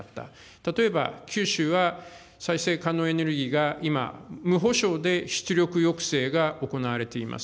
例えば九州は、再生可能エネルギーが今、無保証で出力抑制が行われています。